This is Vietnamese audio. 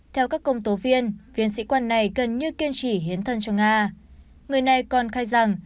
theo các công tố viên sĩ quan này gần như kiên trì hiến thân cho nga người này còn khai rằng